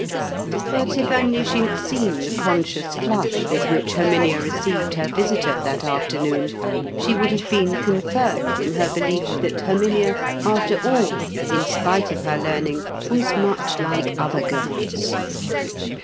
But if only she had seen the conscious flush with which Herminia received her visitor that afternoon, she would have been confirmed in her belief that Herminia, after all, in spite of her learning, was much like other girls.